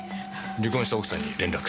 離婚した奥さんに連絡。